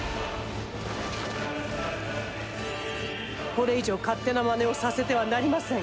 これ以上勝手なまねをさせてはなりません。